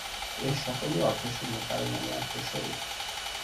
এ-সকলই অর্থশূন্য, কারণ আমি আত্মস্বরূপ।